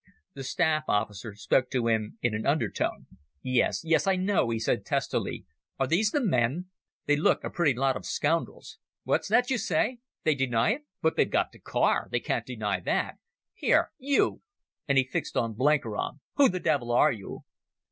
The staff officer spoke to him in an undertone. "Yes, yes, I know," he said testily. "Are these the men? They look a pretty lot of scoundrels. What's that you say? They deny it. But they've got the car. They can't deny that. Here, you," and he fixed on Blenkiron, "who the devil are you?"